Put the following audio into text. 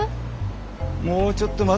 もうちょっと待って。